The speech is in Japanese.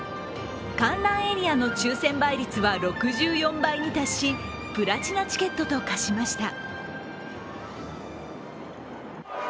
観覧エリアの抽選倍率は６４倍に達し、プラチナチケットと化しました。